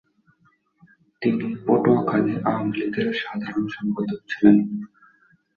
তিনি পটুয়াখালী আওয়ামী লীগের সাধারণ সম্পাদক ছিলেন।